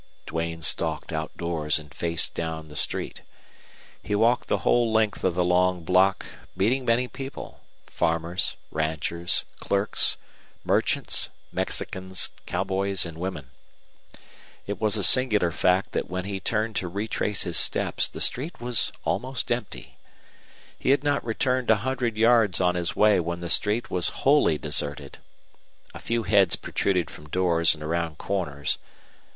Duane stalked outdoors and faced down the street. He walked the whole length of the long block, meeting many people farmers, ranchers, clerks, merchants, Mexicans, cowboys, and women. It was a singular fact that when he turned to retrace his steps the street was almost empty. He had not returned a hundred yards on his way when the street was wholly deserted. A few heads protruded from doors and around corners.